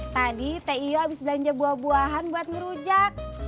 tadi teh iyo abis belanja buah buahan buat ngerujak